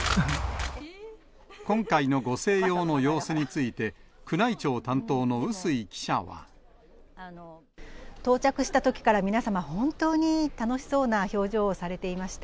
今回のご静養の様子について、到着したときから、皆様、本当に楽しそうな表情をされていました。